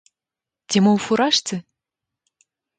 Ці мо ў фуражцы?